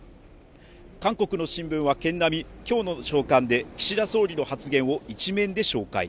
韓国の新聞は軒並み今日の朝刊で岸田総理の発言を一面で紹介